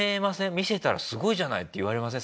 見せたら「すごいじゃない」って言われません？